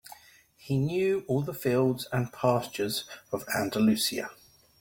He knew all the fields and pastures of Andalusia.